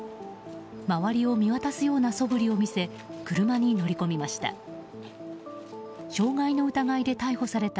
周りを見渡すようなそぶりを見せ車に乗り込みました。